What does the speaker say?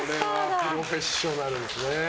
それはプロフェッショナルですね。